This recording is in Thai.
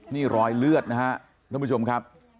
นี่รอยเลือดนะฮะท่านผู้ชมครับ